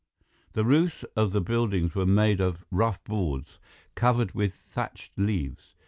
The roofs of the buildings were made of rough boards, covered with thatched leaves.